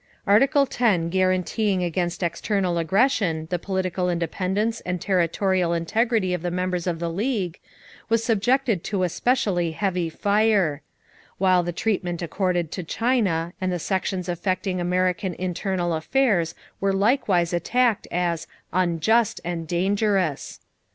Article X guaranteeing against external aggression the political independence and territorial integrity of the members of the League was subjected to a specially heavy fire; while the treatment accorded to China and the sections affecting American internal affairs were likewise attacked as "unjust and dangerous."